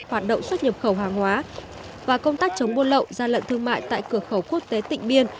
hoạt động xuất nhập khẩu hàng hóa và công tác chống buôn lậu gian lận thương mại tại cửa khẩu quốc tế tịnh biên